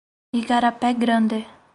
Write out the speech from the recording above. Igarapé Grande